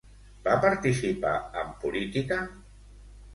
Va participar en política?